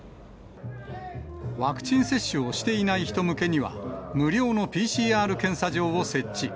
ワクチン接種をしていない人向けには、無料のＰＣＲ検査場を設置。